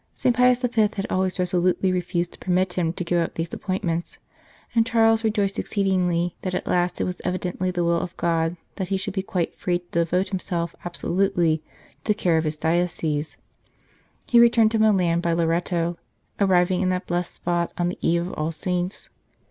St. Pius V. had always resolutely refused to permit him to give up these appoint ments, and Charles rejoiced exceedingly that at last it was evidently the will of God that he should be quite free to devote himself absolutely to the care of his diocese. He returned to Milan by Loreto, arriving in that blessed spot on the Eve of All Saints.